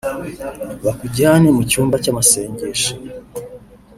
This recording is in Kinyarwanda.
bakujyane mu cyumba cy’amasengesho